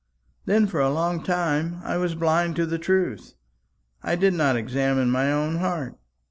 Then for a long time I was blind to the truth. I did not examine my own heart.